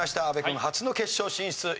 阿部君初の決勝進出